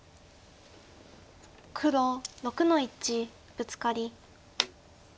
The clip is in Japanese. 黒６の一ブツカリ。